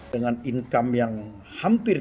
dengan income yang hampir